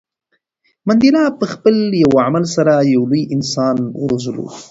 منډېلا په خپل یو عمل سره یو لوی انسان وروزلو.